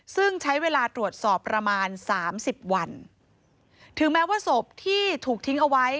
ซึ่งใช้เวลาตรวจสอบประมาณสามสิบวันถึงแม้ว่าศพที่ถูกทิ้งเอาไว้